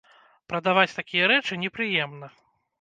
Прадаваць такія рэчы непрыемна.